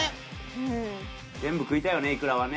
全部食いたいよねイクラはね。